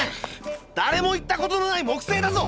だれも行ったことのない木星だぞ！